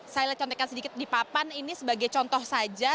saya contekan sedikit di papan ini sebagai contoh saja